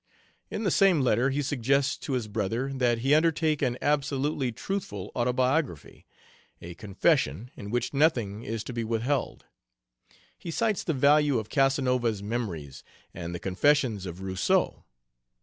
In the same letter he suggests to his brother that he undertake an absolutely truthful autobiography, a confession in which nothing is to be withheld. He cites the value of Casanova's memories, and the confessions of Rousseau.